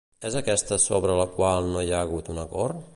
És aquesta sobre la qual no hi ha hagut un acord?